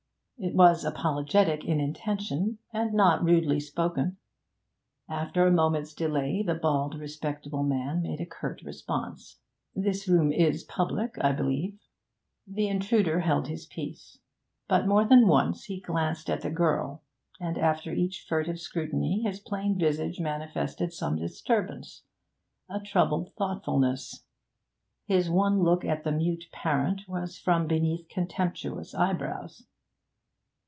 It was apologetic in intention, and not rudely spoken. After a moment's delay the bald, respectable man made a curt response. 'This room is public, I believe.' The intruder held his peace. But more than once he glanced at the girl, and after each furtive scrutiny his plain visage manifested some disturbance, a troubled thoughtfulness. His one look at the mute parent was from beneath contemptuous eyebrows.